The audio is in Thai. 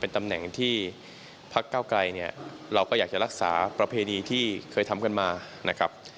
เป็นตำแหน่งที่พักเก้าไกรเราก็อยากจะรักษาประเพณีที่เคยทำกันมา